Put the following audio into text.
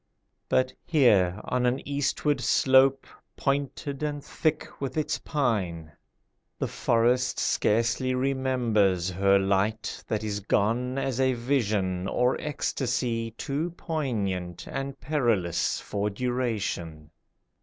But here, on an eastward slope Pointed and thick with its pine, The forest scarcely remembers Her light that is gone as a vision Or ecstasy too poignant And perilous for duration.